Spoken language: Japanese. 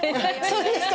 そうですか。